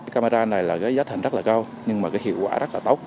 camera này là giá thành rất là cao nhưng mà cái hiệu quả rất là tốt